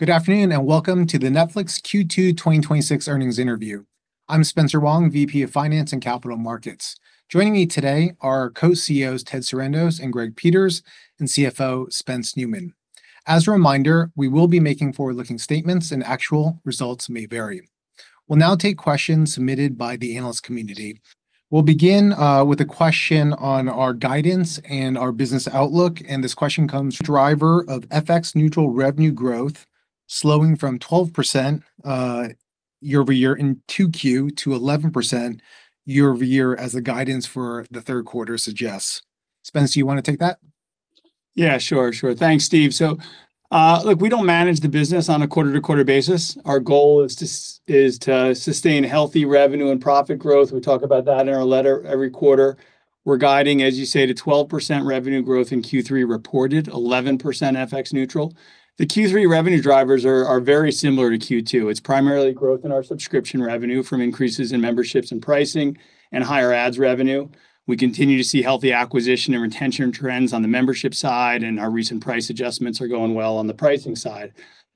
Good afternoon, and welcome to the Netflix Q2 2026 earnings interview. I'm Spencer Wang, VP of Finance and Capital Markets. Joining me today are Co-CEOs Ted Sarandos and Greg Peters, and CFO Spence Neumann. As a reminder, we will be making forward-looking statements and actual results may vary. We'll now take questions submitted by the analyst community. We'll begin with a question on our guidance and our business outlook. This question comes, "Driver of FX-neutral revenue growth slowing from 12% year-over-year in 2Q to 11% year-over-year as the guidance for the third quarter suggests." Spence, do you want to take that? Yeah, sure. Thanks, Steve. Look, we don't manage the business on a quarter-to-quarter basis. Our goal is to sustain healthy revenue and profit growth. We talk about that in our letter every quarter. We're guiding, as you say, to 12% revenue growth in Q3 reported, 11% FX neutral. The Q3 revenue drivers are very similar to Q2. It's primarily growth in our subscription revenue from increases in memberships and pricing and higher ads revenue. We continue to see healthy acquisition and retention trends on the membership side, and our recent price adjustments are going well on the pricing side.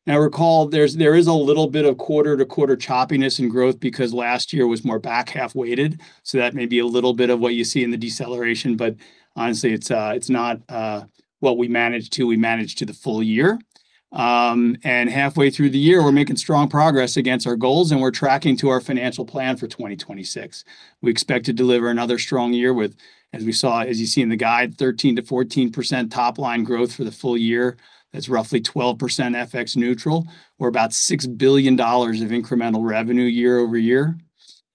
Now recall, there is a little bit of quarter-to-quarter choppiness in growth because last year was more back-half weighted. That may be a little bit of what you see in the deceleration, but honestly, it's not what we manage to. We manage to the full year. Halfway through the year, we're making strong progress against our goals, and we're tracking to our financial plan for 2026. We expect to deliver another strong year with, as you see in the guide, 13%-14% top-line growth for the full year. That's roughly 12% FX neutral, or about $6 billion of incremental revenue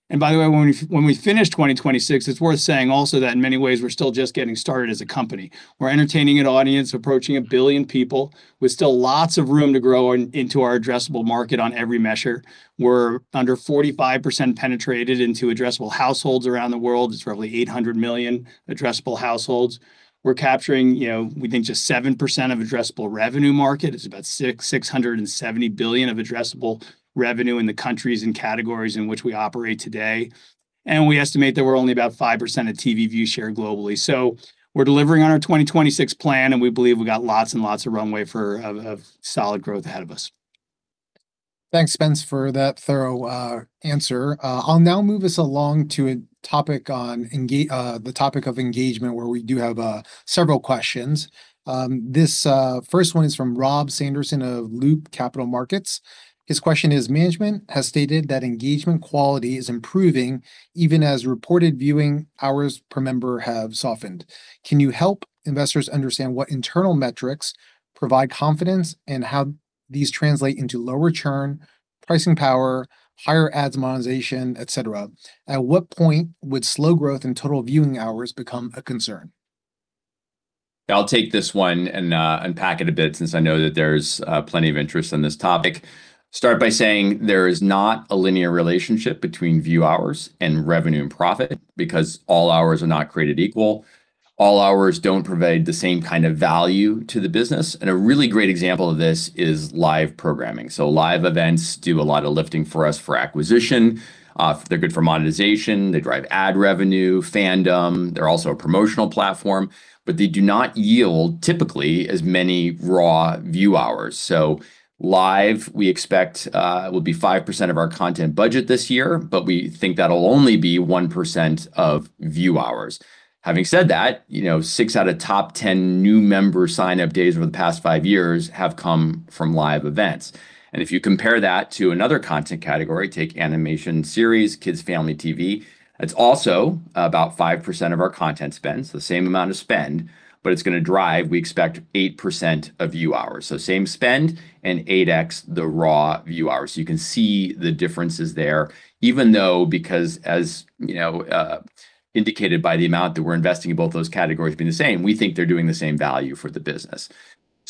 year-over-year. By the way, when we finish 2026, it's worth saying also that in many ways, we're still just getting started as a company. We're entertaining an audience approaching a billion people with still lots of room to grow into our addressable market on every measure. We're under 45% penetrated into addressable households around the world. It's roughly 800 million addressable households. We're capturing, we think, just 7% of addressable revenue market. It's about $670 billion of addressable revenue in the countries and categories in which we operate today. We estimate that we're only about 5% of TV view share globally. We're delivering on our 2026 plan, and we believe we've got lots and lots of runway for a solid growth ahead of us. Thanks, Spence, for that thorough answer. I'll now move us along to the topic of engagement, where we do have several questions. This first one is from Rob Sanderson of Loop Capital Markets. His question is, "Management has stated that engagement quality is improving even as reported viewing hours per member have softened. Can you help investors understand what internal metrics provide confidence and how these translate into lower churn, pricing power, higher ads monetization, et cetera? At what point would slow growth in total viewing hours become a concern? I'll take this one and unpack it a bit since I know that there's plenty of interest in this topic. Start by saying there is not a linear relationship between view hours and revenue and profit, because all hours are not created equal. All hours don't provide the same kind of value to the business. A really great example of this is live programming. Live events do a lot of lifting for us for acquisition. They're good for monetization. They drive ad revenue, fandom. They're also a promotional platform. They do not yield typically as many raw view hours. Live, we expect, will be 5% of our content budget this year, but we think that'll only be 1% of view hours. Having said that, six out of top 10 new member sign-up days over the past five years have come from live events. If you compare that to another content category, take animation series, kids' family TV, it's also about 5% of our content spend, the same amount of spend, but it's going to drive, we expect, 8% of view hours. Same spend and 8x the raw view hours. You can see the differences there, even though because as indicated by the amount that we're investing in both those categories being the same, we think they're doing the same value for the business.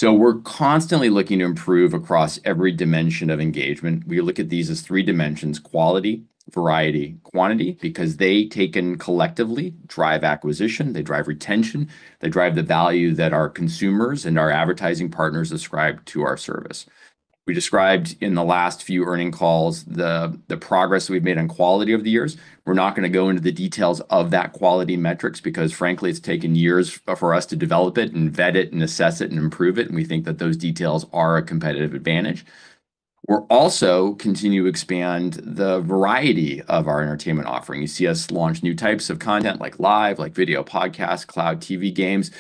We're constantly looking to improve across every dimension of engagement. We look at these as three dimensions: quality, variety, quantity, because they taken collectively drive acquisition, they drive retention, they drive the value that our consumers and our advertising partners ascribe to our service. We described in the last few earnings calls the progress we've made on quality over the years. We're not going to go into the details of that quality metrics because frankly, it's taken years for us to develop it and vet it and assess it and improve it, we think that those details are a competitive advantage. We're also continue to expand the variety of our entertainment offering. You see us launch new types of content like live, like video podcasts, cloud TV, games.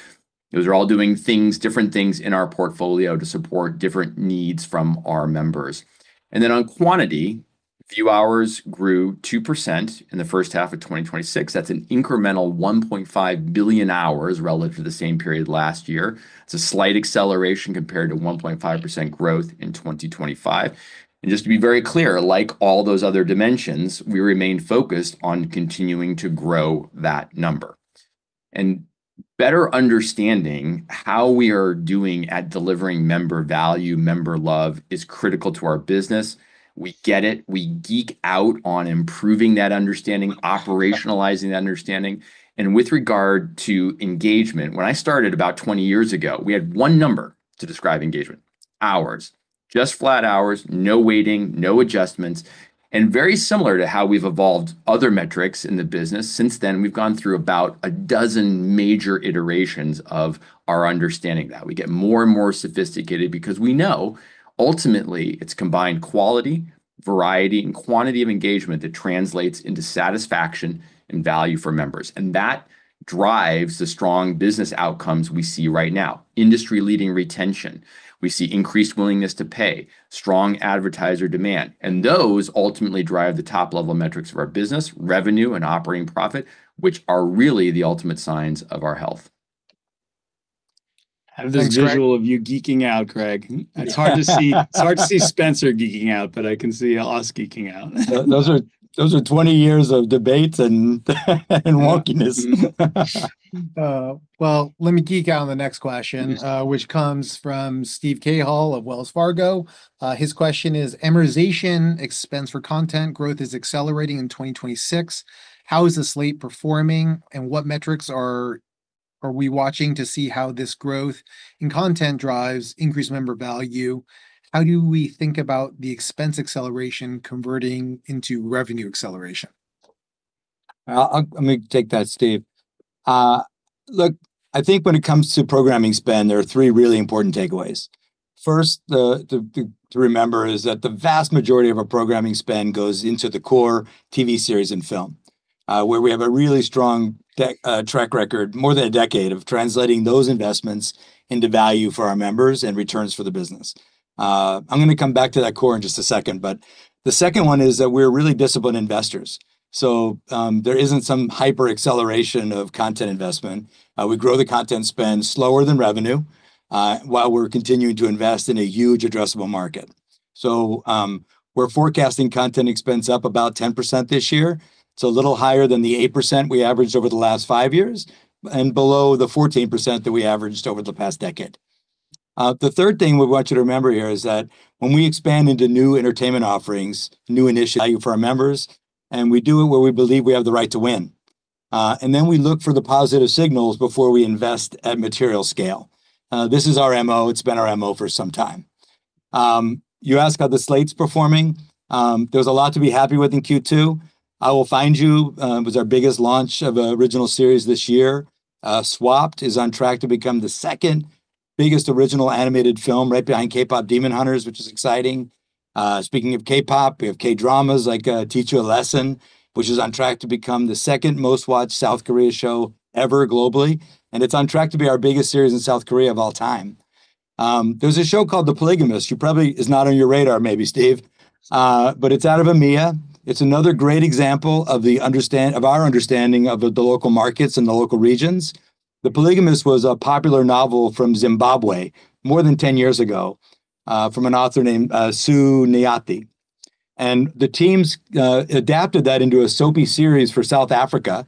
Those are all doing different things in our portfolio to support different needs from our members. Then on quantity, view hours grew 2% in the first half of 2026. That's an incremental 1.5 billion hours relative to the same period last year. It's a slight acceleration compared to 1.5% growth in 2025. Just to be very clear, like all those other dimensions, we remain focused on continuing to grow that number. Better understanding how we are doing at delivering member value, member love, is critical to our business. We get it. We geek out on improving that understanding, operationalizing that understanding. With regard to engagement, when I started about 20 years ago, we had one number to describe engagement, hours. Just flat hours, no waiting, no adjustments, very similar to how we've evolved other metrics in the business since then, we've gone through about a dozen major iterations of our understanding that. We get more and more sophisticated because we know ultimately it's combined quality, variety, and quantity of engagement that translates into satisfaction and value for members. That drives the strong business outcomes we see right now. Industry-leading retention. We see increased willingness to pay, strong advertiser demand, those ultimately drive the top-level metrics of our business, revenue and operating profit, which are really the ultimate signs of our health. I have this visual of you geeking out, Greg. It's hard to see Spencer geeking out, but I can see Oz geeking out. Those are 20 years of debates and wonkiness. Well, let me geek out on the next question which comes from Steve Cahall of Wells Fargo. His question is, "Amortization expense for content growth is accelerating in 2026. How is the slate performing and what metrics are we watching to see how this growth in content drives increased member value? How do we think about the expense acceleration converting into revenue acceleration? Let me take that, Steve. Look, I think when it comes to programming spend, there are three really important takeaways. First to remember is that the vast majority of our programming spend goes into the core TV series and film, where we have a really strong track record, more than a decade, of translating those investments into value for our members and returns for the business. I'm going to come back to that core in just a second, but the second one is that we're really disciplined investors. There isn't some hyper-acceleration of content investment. We grow the content spend slower than revenue, while we're continuing to invest in a huge addressable market. We're forecasting content expense up about 10% this year. It's a little higher than the 8% we averaged over the last five years, and below the 14% that we averaged over the past decade. The third thing we want you to remember here is that when we expand into new entertainment offerings, new initiatives for our members, and we do it where we believe we have the right to win. We look for the positive signals before we invest at material scale. This is our MO, it's been our MO for some time. You ask how the slate's performing. There's a lot to be happy with in Q2. "I Will Find You" was our biggest launch of an original series this year. "Swapped" is on track to become the second biggest original animated film, right behind K-Pop: Demon Hunters, which is exciting. Speaking of K-Pop, we have K-dramas like "Teach You a Lesson," which is on track to become the second most watched South Korea show ever globally, and it's on track to be our biggest series in South Korea of all time. There's a show called "The Polygamist," who probably is not on your radar, maybe, Steve. It's out of EMEA. It's another great example of our understanding of the local markets and the local regions. "The Polygamist" was a popular novel from Zimbabwe more than 10 years ago, from an author named Sue Nyathi. The teams adapted that into a soapy series for South Africa,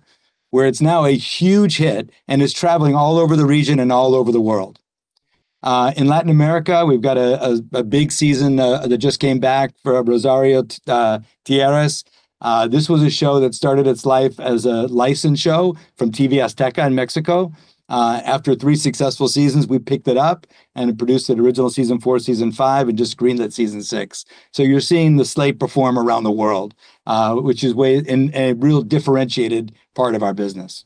where it's now a huge hit and is traveling all over the region and all over the world. In Latin America, we've got a big season that just came back for "Rosario Tijeras." This was a show that started its life as a licensed show from TV Azteca in Mexico. After three successful seasons, we picked it up and produced an original Season 4, Season 5, and just greenlit Season 6. You're seeing the slate perform around the world, which is a real differentiated part of our business.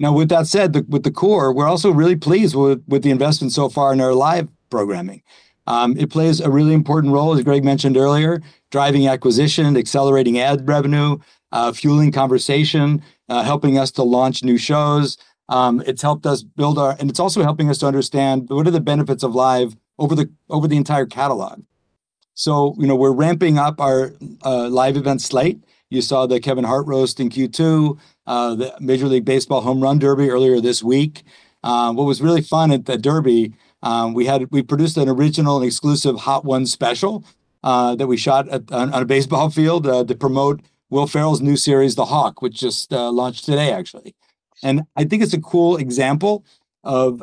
With that said, with the core, we're also really pleased with the investment so far in our live programming. It plays a really important role, as Greg mentioned earlier, driving acquisition, accelerating ad revenue, fueling conversation, helping us to launch new shows. It's also helping us to understand what are the benefits of live over the entire catalog. We're ramping up our live event slate. You saw the Kevin Hart roast in Q2, the Major League Baseball Home Run Derby earlier this week. What was really fun at the Derby, we produced an original and exclusive Hot Ones special, that we shot on a baseball field, to promote Will Ferrell's new series, "The Hawk," which just launched today, actually. I think it's a cool example of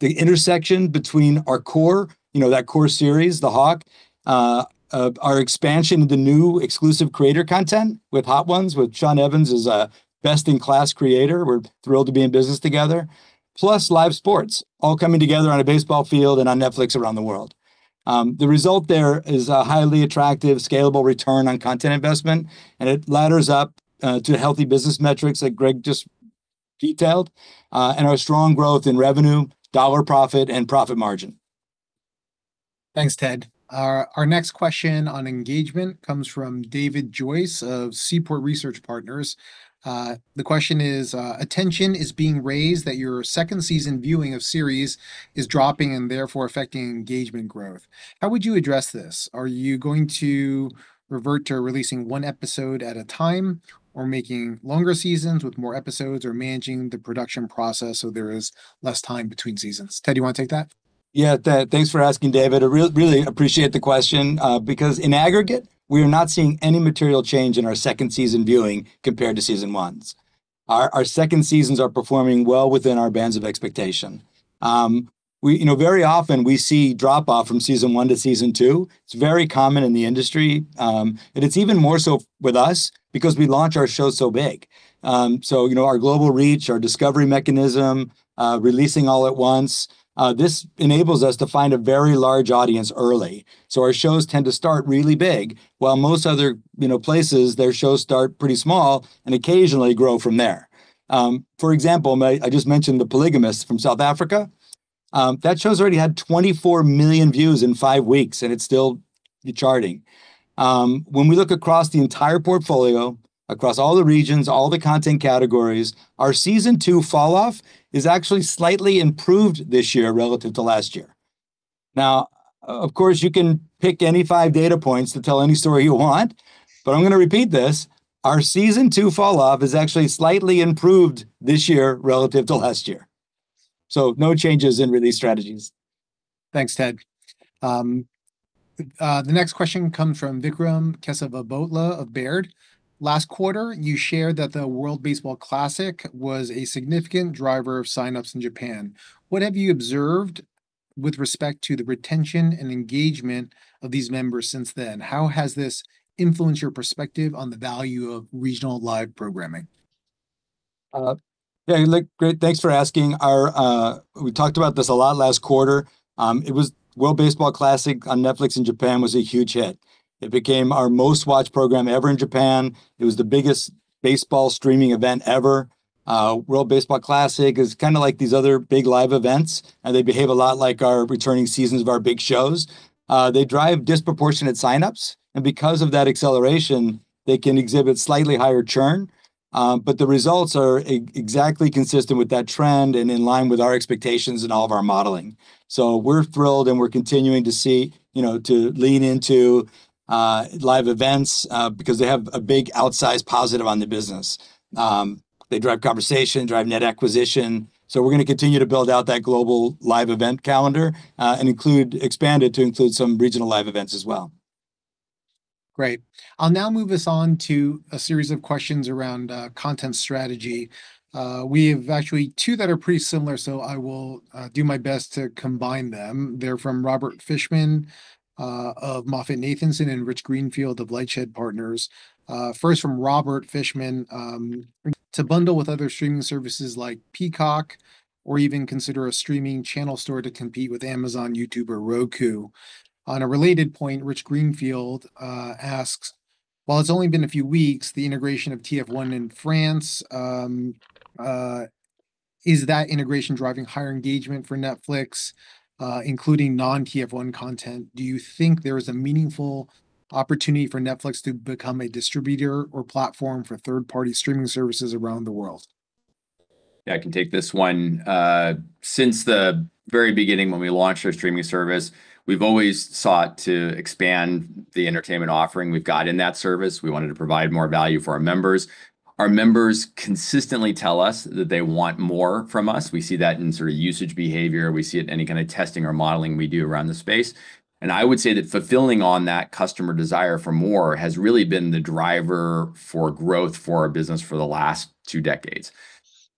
the intersection between our core, that core series, "The Hawk," our expansion into new exclusive creator content with Hot Ones, with Sean Evans, who's a best-in-class creator. We're thrilled to be in business together. Plus live sports, all coming together on a baseball field and on Netflix around the world. The result there is a highly attractive, scalable return on content investment, and it ladders up to healthy business metrics that Greg just detailed, and our strong growth in revenue, dollar profit, and profit margin. Thanks, Ted. Our next question on engagement comes from David Joyce of Seaport Research Partners. The question is, "Attention is being raised that your second season viewing of series is dropping and therefore affecting engagement growth. How would you address this? Are you going to revert to releasing one episode at a time, or making longer seasons with more episodes, or managing the production process so there is less time between seasons?" Ted, you want to take that? Yeah, thanks for asking, David. I really appreciate the question, because in aggregate, we are not seeing any material change in our second season viewing compared to Season 1s. Our second seasons are performing well within our bands of expectation. Very often we see drop-off from Season 1 to Season 2. It's very common in the industry. It's even more so with us because we launch our shows so big. Our global reach, our discovery mechanism, releasing all at once, this enables us to find a very large audience early. Our shows tend to start really big, while most other places, their shows start pretty small and occasionally grow from there For example, I just mentioned "The Polygamist" from South Africa. That show has already had 24 million views in five weeks, and it's still charting. When we look across the entire portfolio, across all the regions, all the content categories, our Season 2 fall-off is actually slightly improved this year relative to last year. Now, of course, you can pick any five data points to tell any story you want, but I'm going to repeat this. Our Season 2 fall-off is actually slightly improved this year relative to last year, no changes in release strategies. Thanks, Ted. The next question comes from Vikram Kesavabhotla of Baird. Last quarter, you shared that the World Baseball Classic was a significant driver of sign-ups in Japan. What have you observed with respect to the retention and engagement of these members since then? How has this influenced your perspective on the value of regional live programming? Great. Thanks for asking. We talked about this a lot last quarter. World Baseball Classic on Netflix in Japan was a huge hit. It became our most-watched program ever in Japan. It was the biggest baseball streaming event ever. World Baseball Classic is kind of like these other big live events, they behave a lot like our returning seasons of our big shows. They drive disproportionate sign-ups, because of that acceleration, they can exhibit slightly higher churn. The results are exactly consistent with that trend and in line with our expectations and all of our modeling. We're thrilled, we're continuing to lean into live events because they have a big outsized positive on the business. They drive conversation, drive net acquisition. We're going to continue to build out that global live event calendar and expand it to include some regional live events as well. Great. I'll now move us on to a series of questions around content strategy. We have actually two that are pretty similar, I will do my best to combine them. They're from Robert Fishman of MoffettNathanson and Rich Greenfield of LightShed Partners. First from Robert Fishman, to bundle with other streaming services like Peacock or even consider a streaming channel store to compete with Amazon, YouTube, or Roku. On a related point, Rich Greenfield asks, while it's only been a few weeks, the integration of TF1 in France, is that integration driving higher engagement for Netflix, including non-TF1 content? Do you think there is a meaningful opportunity for Netflix to become a distributor or platform for third-party streaming services around the world? I can take this one. Since the very beginning when we launched our streaming service, we've always sought to expand the entertainment offering we've got in that service. We wanted to provide more value for our members. Our members consistently tell us that they want more from us. We see that in usage behavior. We see it in any kind of testing or modeling we do around the space. I would say that fulfilling on that customer desire for more has really been the driver for growth for our business for the last two decades.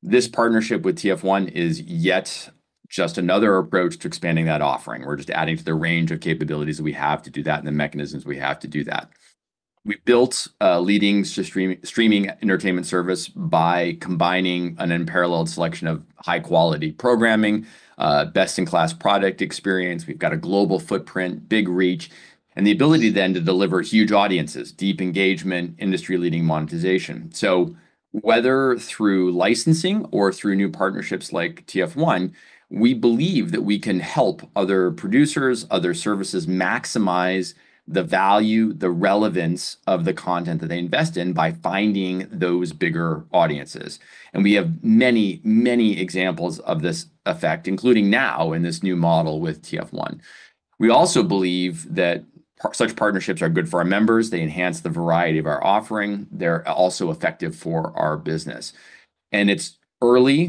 This partnership with TF1 is yet just another approach to expanding that offering. We're just adding to the range of capabilities that we have to do that and the mechanisms we have to do that. We built a leading streaming entertainment service by combining an unparalleled selection of high-quality programming, best-in-class product experience. We've got a global footprint, big reach, and the ability then to deliver huge audiences, deep engagement, industry-leading monetization. Whether through licensing or through new partnerships like TF1, we believe that we can help other producers, other services maximize the value, the relevance of the content that they invest in by finding those bigger audiences. We have many examples of this effect, including now in this new model with TF1. We also believe that such partnerships are good for our members. They enhance the variety of our offering. They're also effective for our business, and it's early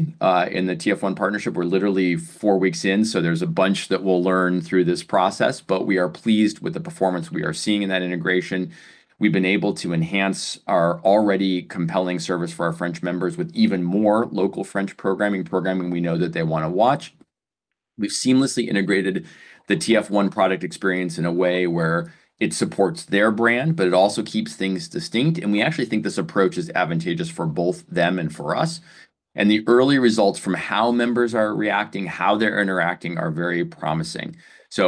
in the TF1 partnership. We're literally four weeks in, there's a bunch that we'll learn through this process, but we are pleased with the performance we are seeing in that integration. We've been able to enhance our already compelling service for our French members with even more local French programming we know that they want to watch. We've seamlessly integrated the TF1 product experience in a way where it supports their brand, but it also keeps things distinct, we actually think this approach is advantageous for both them and for us.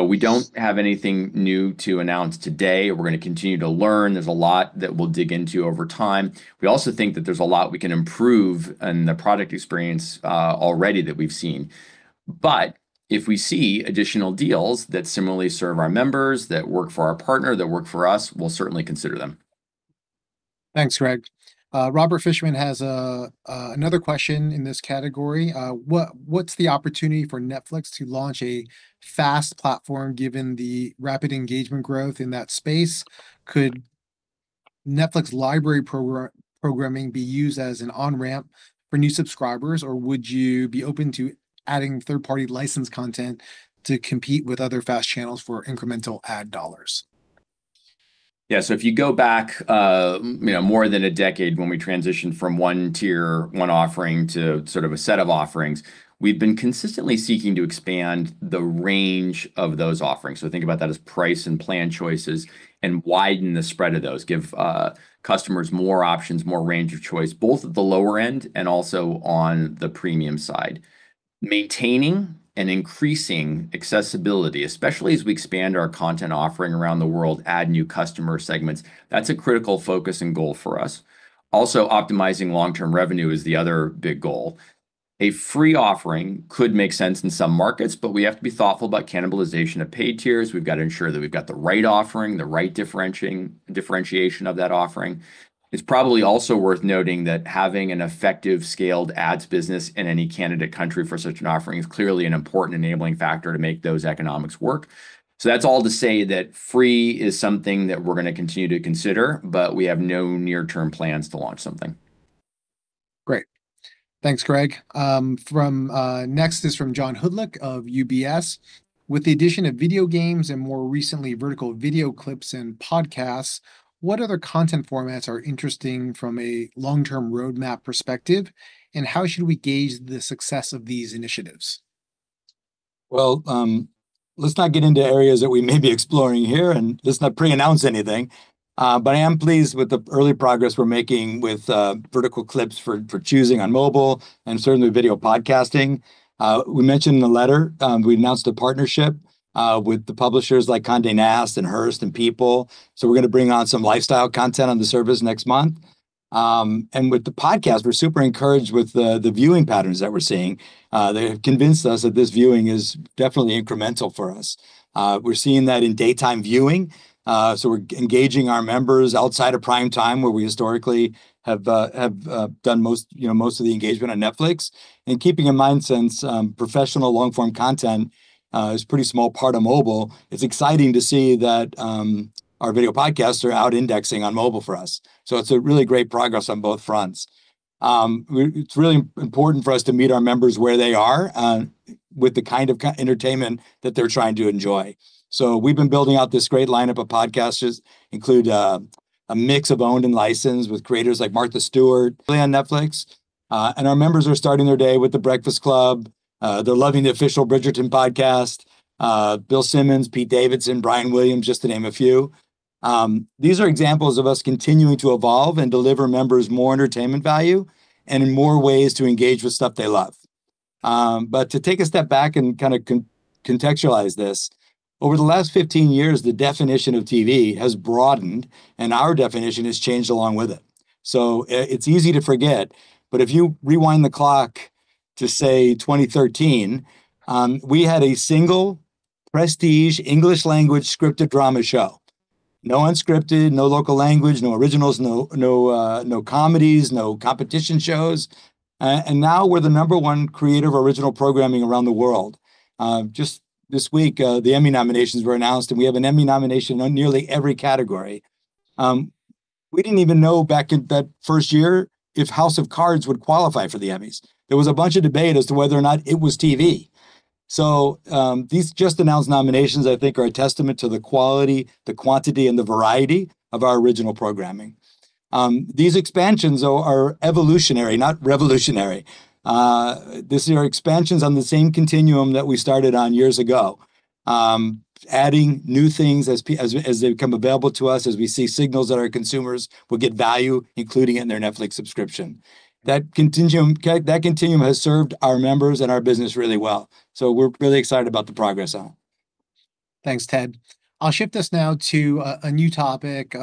We don't have anything new to announce today. We're going to continue to learn. There's a lot that we'll dig into over time. We also think that there's a lot we can improve in the product experience already that we've seen. If we see additional deals that similarly serve our members, that work for our partner, that work for us, we'll certainly consider them. Thanks, Greg. Robert Fishman has another question in this category. What's the opportunity for Netflix to launch a FAST platform, given the rapid engagement growth in that space? Could Netflix library programming be used as an on-ramp for new subscribers, or would you be open to adding third-party licensed content to compete with other FAST channels for incremental ad dollars? Yeah. If you go back more than a decade, when we transitioned from one tier, one offering to a set of offerings, we've been consistently seeking to expand the range of those offerings. Think about that as price and plan choices and widen the spread of those, give customers more options, more range of choice, both at the lower end and also on the premium side. Maintaining and increasing accessibility, especially as we expand our content offering around the world, add new customer segments, that's a critical focus and goal for us. Also, optimizing long-term revenue is the other big goal. A free offering could make sense in some markets, we have to be thoughtful about cannibalization of paid tiers. We've got to ensure that we've got the right offering, the right differentiation of that offering. It's probably also worth noting that having an effective scaled ads business in any candidate country for such an offering is clearly an important enabling factor to make those economics work. That's all to say that free is something that we're going to continue to consider, but we have no near-term plans to launch something. Great. Thanks, Greg. Next is from John Hodulik of UBS. With the addition of video games and more recently vertical video clips and podcasts, what other content formats are interesting from a long-term roadmap perspective, and how should we gauge the success of these initiatives? Well, let's not get into areas that we may be exploring here, and let's not pre-announce anything. I am pleased with the early progress we're making with vertical clips for choosing on mobile and certainly video podcasting. We mentioned in the letter, we announced a partnership with the publishers like Condé Nast and Hearst and People. We're going to bring on some lifestyle content on the service next month. With the podcast, we're super encouraged with the viewing patterns that we're seeing. They have convinced us that this viewing is definitely incremental for us. We're seeing that in daytime viewing. We're engaging our members outside of prime time, where we historically have done most of the engagement on Netflix. Keeping in mind, since professional long-form content is a pretty small part of mobile, it's exciting to see that our video podcasts are out-indexing on mobile for us. It's a really great progress on both fronts. It's really important for us to meet our members where they are with the kind of entertainment that they're trying to enjoy. We've been building out this great lineup of podcasters, include a mix of owned and licensed with creators like Martha Stewart on Netflix. Our members are starting their day with "The Breakfast Club." They're loving the official "Bridgerton" podcast, Bill Simmons, Pete Davidson, Brian Williams, just to name a few. These are examples of us continuing to evolve and deliver members more entertainment value and in more ways to engage with stuff they love. To take a step back and kind of contextualize this, over the last 15 years, the definition of TV has broadened, and our definition has changed along with it. It's easy to forget, but if you rewind the clock to, say, 2013, we had a single prestige English language scripted drama show. No unscripted, no local language, no originals, no comedies, no competition shows. Now we're the number one creator of original programming around the world. Just this week, the Emmy nominations were announced, and we have an Emmy nomination on nearly every category. We didn't even know back in that first year if "House of Cards" would qualify for the Emmys. There was a bunch of debate as to whether or not it was TV. These just-announced nominations, I think, are a testament to the quality, the quantity, and the variety of our original programming. These expansions, though, are evolutionary, not revolutionary. These are expansions on the same continuum that we started on years ago, adding new things as they become available to us, as we see signals that our consumers will get value including it in their Netflix subscription. That continuum has served our members and our business really well. We're really excited about the progress. Thanks, Ted. I'll shift us now to a new topic,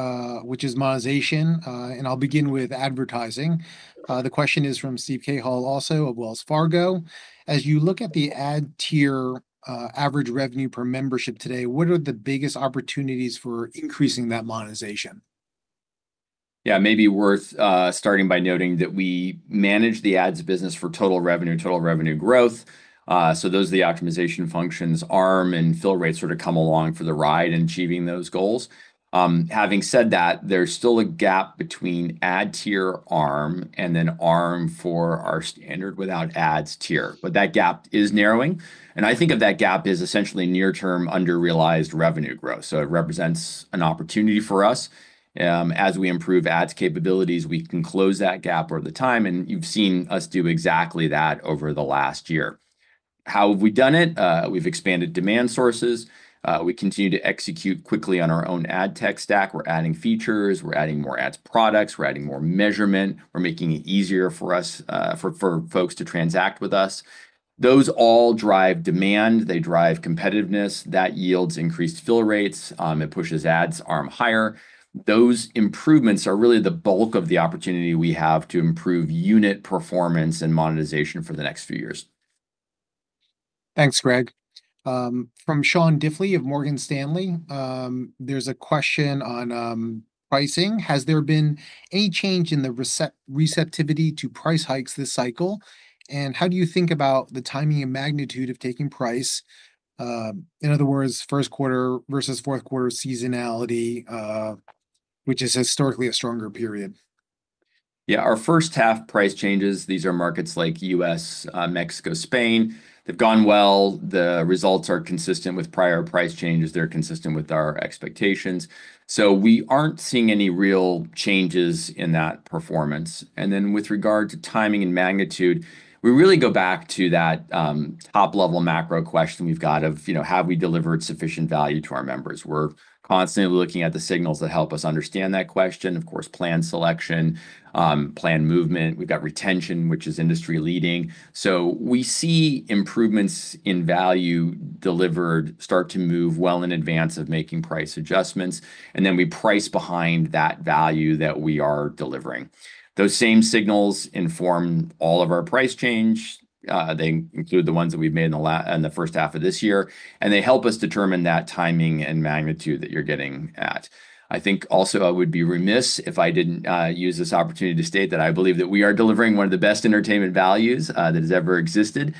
which is monetization, and I'll begin with advertising. The question is from Steve Cahall, also of Wells Fargo. As you look at the ad tier average revenue per membership today, what are the biggest opportunities for increasing that monetization? Maybe worth starting by noting that we manage the ads business for total revenue, total revenue growth. Those are the optimization functions, ARM and fill rates sort of come along for the ride in achieving those goals. Having said that, there's still a gap between ad tier ARM and then ARM for our standard without ads tier. That gap is narrowing, and I think of that gap as essentially near-term under-realized revenue growth. It represents an opportunity for us. As we improve ads capabilities, we can close that gap over the time, and you've seen us do exactly that over the last year. How have we done it? We've expanded demand sources. We continue to execute quickly on our own ad tech stack. We're adding features. We're adding more ads products. We're adding more measurement. We're making it easier for folks to transact with us. Those all drive demand. They drive competitiveness. That yields increased fill rates. It pushes ads ARM higher. Those improvements are really the bulk of the opportunity we have to improve unit performance and monetization for the next few years. Thanks, Greg. From Sean Diffley of Morgan Stanley, there's a question on pricing. Has there been any change in the receptivity to price hikes this cycle? How do you think about the timing and magnitude of taking price, in other words, first quarter versus fourth quarter seasonality, which is historically a stronger period? Our first half price changes, these are markets like U.S., Mexico, Spain. They've gone well. The results are consistent with prior price changes. They're consistent with our expectations. We aren't seeing any real changes in that performance. With regard to timing and magnitude, we really go back to that top-level macro question we've got of have we delivered sufficient value to our members? We're constantly looking at the signals that help us understand that question. Of course, plan selection, plan movement. We've got retention, which is industry leading. We see improvements in value delivered start to move well in advance of making price adjustments, and then we price behind that value that we are delivering. Those same signals inform all of our price change. They include the ones that we've made in the first half of this year, and they help us determine that timing and magnitude that you're getting at. I think also I would be remiss if I didn't use this opportunity to state that I believe that we are delivering one of the best entertainment values that has ever existed.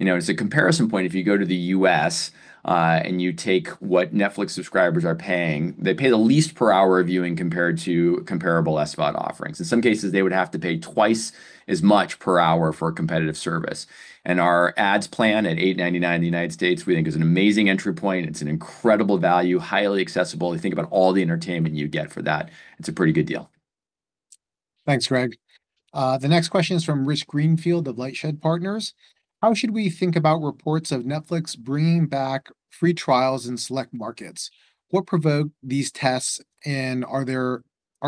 As a comparison point, if you go to the U.S., and you take what Netflix subscribers are paying, they pay the least per hour of viewing compared to comparable SVOD offerings. In some cases, they would have to pay twice as much per hour for a competitive service. Our ads plan at $8.99 in the United States, we think is an amazing entry point. It's an incredible value, highly accessible, you think about all the entertainment you get for that. It's a pretty good deal. Thanks, Greg. The next question is from Rich Greenfield of LightShed Partners. How should we think about reports of Netflix bringing back free trials in select markets? What provoked these tests and are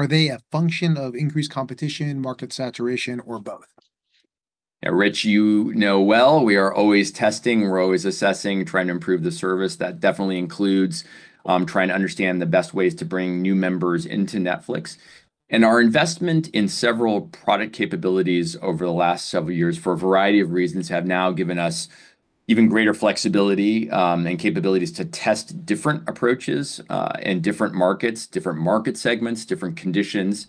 they a function of increased competition, market saturation, or both? Yeah, Rich, you know well we are always testing, we're always assessing, trying to improve the service. That definitely includes trying to understand the best ways to bring new members into Netflix. Our investment in several product capabilities over the last several years, for a variety of reasons, have now given us even greater flexibility and capabilities to test different approaches, in different markets, different market segments, different conditions,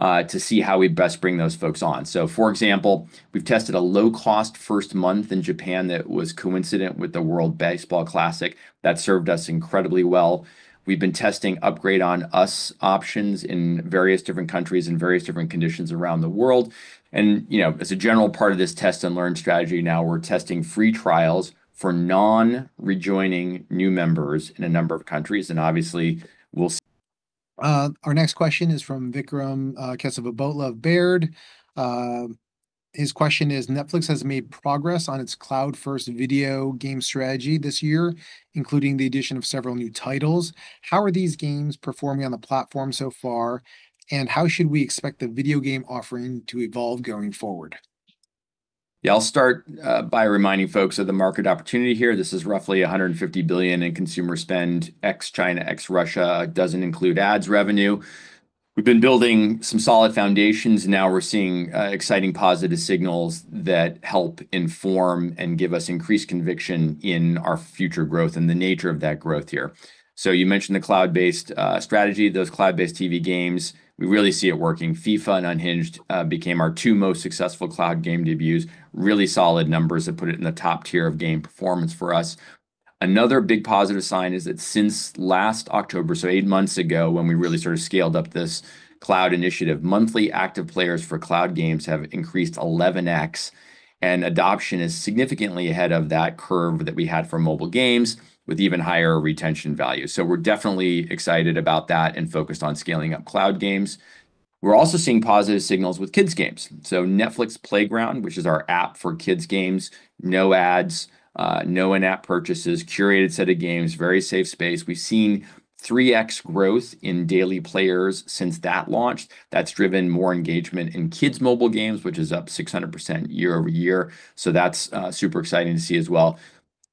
to see how we best bring those folks on. For example, we've tested a low-cost first month in Japan that was coincident with the World Baseball Classic. That served us incredibly well. We've been testing upgrade on us options in various different countries and various different conditions around the world. As a general part of this test and learn strategy now, we're testing free trials for non-rejoining new members in a number of countries. Obviously, we'll- Our next question is from Vikram Kesavabhotla of Baird. His question is, Netflix has made progress on its cloud-first video game strategy this year, including the addition of several new titles. How are these games performing on the platform so far, and how should we expect the video game offering to evolve going forward? Yeah, I'll start by reminding folks of the market opportunity here. This is roughly $150 billion in consumer spend, ex-China, ex-Russia, doesn't include ads revenue. We've been building some solid foundations. Now we're seeing exciting positive signals that help inform and give us increased conviction in our future growth and the nature of that growth here. You mentioned the cloud-based strategy, those cloud-based TV games. We really see it working. FIFA and Unhinged became our two most successful cloud game debuts. Really solid numbers that put it in the top tier of game performance for us. Another big positive sign is that since last October, eight months ago, when we really sort of scaled up this cloud initiative, monthly active players for cloud games have increased 11x and adoption is significantly ahead of that curve that we had for mobile games with even higher retention value. We're definitely excited about that and focused on scaling up cloud games. We're also seeing positive signals with kids games. Netflix Playground, which is our app for kids games, no ads, no in-app purchases, curated set of games, very safe space. We've seen 3x growth in daily players since that launched. That's driven more engagement in kids mobile games, which is up 600% year-over-year. That's super exciting to see as well.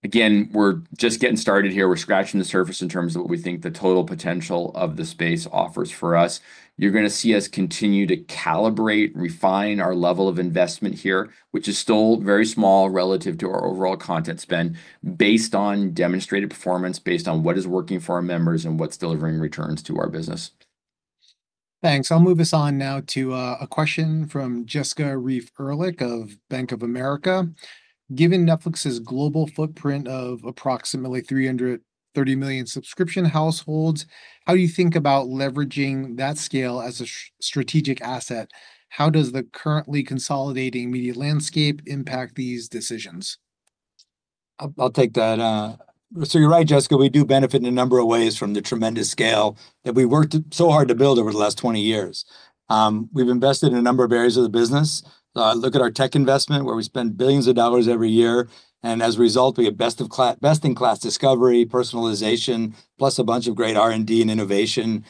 Again, we're just getting started here. We're scratching the surface in terms of what we think the total potential of the space offers for us. You're going to see us continue to calibrate, refine our level of investment here, which is still very small relative to our overall content spend, based on demonstrated performance, based on what is working for our members and what's delivering returns to our business. Thanks. I'll move us on now to a question from Jessica Reif Ehrlich of Bank of America. Given Netflix's global footprint of approximately 330 million subscription households, how do you think about leveraging that scale as a strategic asset? How does the currently consolidating media landscape impact these decisions? I'll take that. You're right, Jessica, we do benefit in a number of ways from the tremendous scale that we worked so hard to build over the last 20 years. We've invested in a number of areas of the business. Look at our tech investment, where we spend billions of dollars every year, and as a result, we get best in class discovery, personalization, plus a bunch of great R&D and innovation,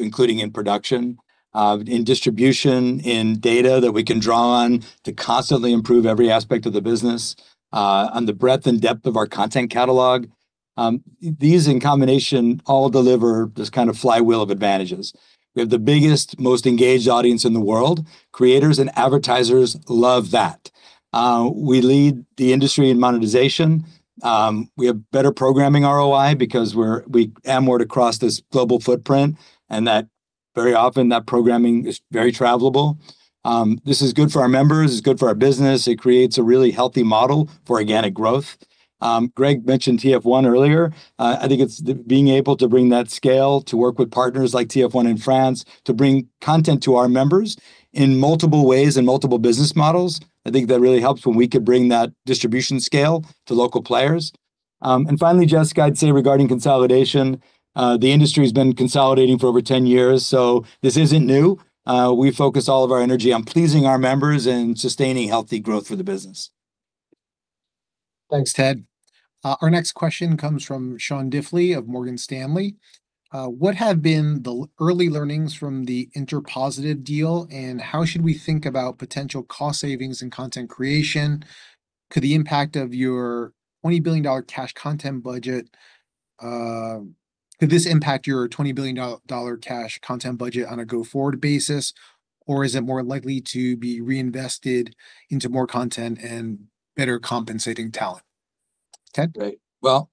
including in production, in distribution, in data that we can draw on to constantly improve every aspect of the business, on the breadth and depth of our content catalog. These in combination all deliver this kind of flywheel of advantages. We have the biggest, most engaged audience in the world. Creators and advertisers love that. We lead the industry in monetization. We have better programming ROI because we amort across this global footprint and that Very often that programming is very travelable. This is good for our members, it's good for our business. It creates a really healthy model for organic growth. Greg mentioned TF1 earlier. I think it's being able to bring that scale to work with partners like TF1 in France to bring content to our members in multiple ways and multiple business models. I think that really helps when we could bring that distribution scale to local players. Finally, Jessica, I'd say regarding consolidation, the industry's been consolidating for over 10 years. This isn't new. We focus all of our energy on pleasing our members and sustaining healthy growth for the business. Thanks, Ted. Our next question comes from Sean Diffley of Morgan Stanley. What have been the early learnings from the Interpositive deal, and how should we think about potential cost savings and content creation? Could this impact your $20 billion cash content budget on a go-forward basis, or is it more likely to be reinvested into more content and better compensating talent? Ted? Great. Well,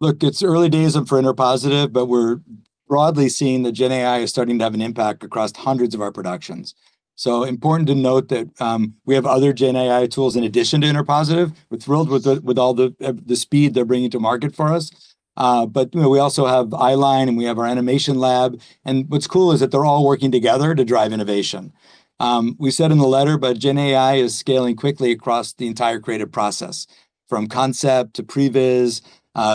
look, it's early days for Interpositive, but we're broadly seeing that GenAI is starting to have an impact across hundreds of our productions. Important to note that we have other GenAI tools in addition to Interpositive. We're thrilled with all the speed they're bringing to market for us. We also have Eyeline, and we have our animation lab, and what's cool is that they're all working together to drive innovation. We said in the letter, but GenAI is scaling quickly across the entire creative process, from concept to previs,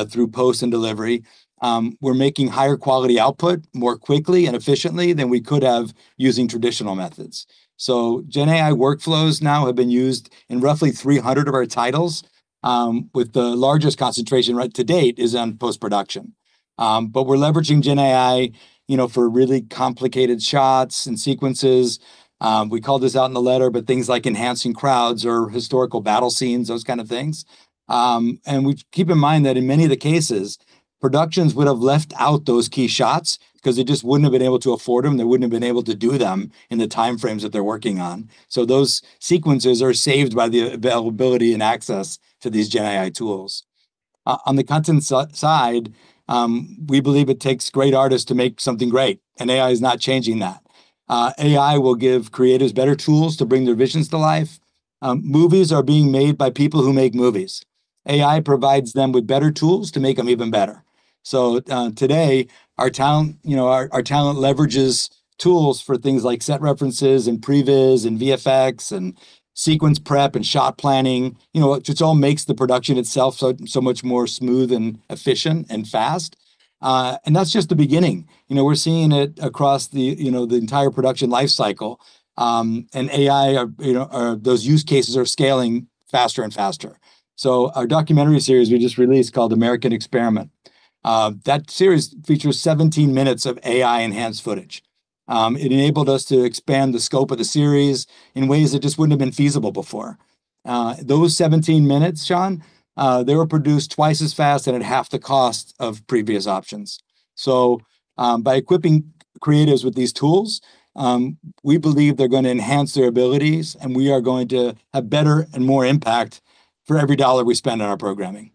through post and delivery. We're making higher quality output more quickly and efficiently than we could have using traditional methods. GenAI workflows now have been used in roughly 300 of our titles, with the largest concentration to date is on post-production. We're leveraging GenAI for really complicated shots and sequences. We called this out in the letter, but things like enhancing crowds or historical battle scenes, those kind of things. Keep in mind that in many of the cases, productions would have left out those key shots because they just wouldn't have been able to afford them. They wouldn't have been able to do them in the timeframes that they're working on. Those sequences are saved by the availability and access to these GenAI tools. On the content side, we believe it takes great artists to make something great, and AI is not changing that. AI will give creatives better tools to bring their visions to life. Movies are being made by people who make movies. AI provides them with better tools to make them even better. Today, our talent leverages tools for things like set references and previs and VFX and sequence prep and shot planning. It all makes the production itself so much more smooth and efficient and fast. That's just the beginning. We're seeing it across the entire production life cycle. AI, those use cases are scaling faster and faster. Our documentary series we just released called "The American Experiment," that series features 17 minutes of AI-enhanced footage. It enabled us to expand the scope of the series in ways that just wouldn't have been feasible before. Those 17 minutes, Sean, they were produced twice as fast and at half the cost of previous options. By equipping creatives with these tools, we believe they're going to enhance their abilities, and we are going to have better and more impact for every dollar we spend on our programming.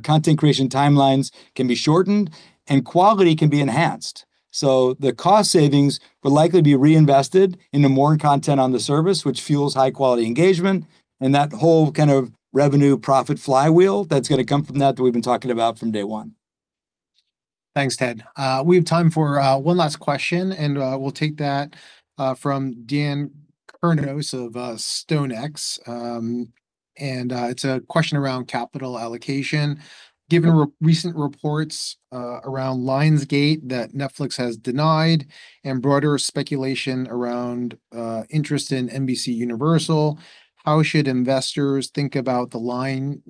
Content creation timelines can be shortened and quality can be enhanced. The cost savings will likely be reinvested into more content on the service, which fuels high-quality engagement and that whole kind of revenue profit flywheel that's going to come from that we've been talking about from day one. Thanks, Ted. We have time for one last question, and we'll take that from Dan Kurnos of StoneX. It's a question around capital allocation. Given recent reports around Lionsgate that Netflix has denied and broader speculation around interest in NBCUniversal, how should investors think about the line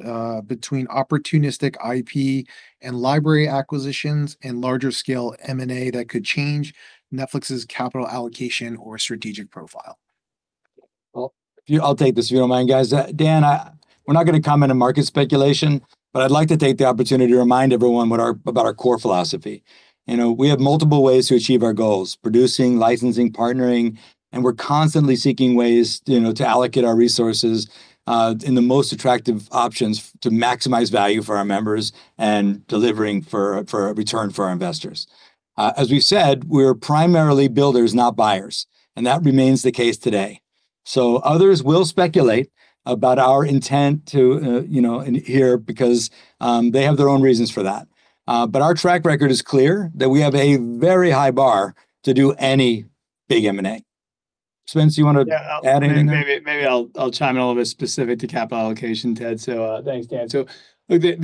between opportunistic IP and library acquisitions and larger scale M&A that could change Netflix's capital allocation or strategic profile? Well, I'll take this if you don't mind, guys. Dan, we're not going to comment on market speculation, but I'd like to take the opportunity to remind everyone about our core philosophy. We have multiple ways to achieve our goals, producing, licensing, partnering, and we're constantly seeking ways to allocate our resources in the most attractive options to maximize value for our members and delivering for a return for our investors. As we've said, we're primarily builders, not buyers, and that remains the case today. Others will speculate about our intent here because they have their own reasons for that. Our track record is clear that we have a very high bar to do any big M&A. Spence, you want to add anything there? Yeah, maybe I'll chime in a little bit specific to capital allocation, Ted. Thanks, Dan. Look, I just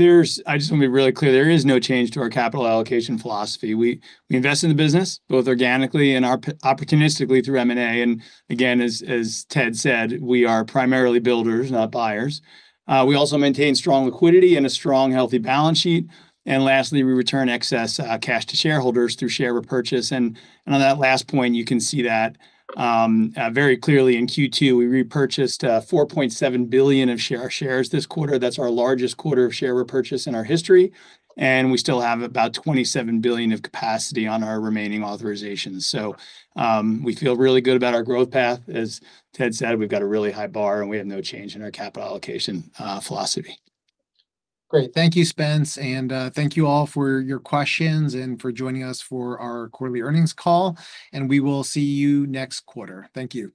want to be really clear. There is no change to our capital allocation philosophy. We invest in the business both organically and opportunistically through M&A. Again, as Ted said, we are primarily builders, not buyers. We also maintain strong liquidity and a strong, healthy balance sheet. Lastly, we return excess cash to shareholders through share repurchase. On that last point, you can see that very clearly in Q2, we repurchased $4.7 billion of our shares this quarter. That's our largest quarter of share repurchase in our history, and we still have about $27 billion of capacity on our remaining authorizations. We feel really good about our growth path. As Ted said, we've got a really high bar, and we have no change in our capital allocation philosophy. Great. Thank you, Spence, and thank you all for your questions and for joining us for our quarterly earnings call. We will see you next quarter. Thank you.